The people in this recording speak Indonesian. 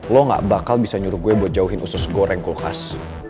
lo gak bakal bisa nyuruh gue buat jauhin usus goreng kulkas